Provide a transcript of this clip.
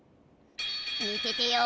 見ててよ！